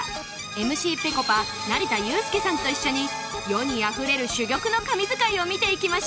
ＭＣ ぺこぱ成田悠輔さんと一緒に世にあふれる珠玉の神図解を見ていきましょう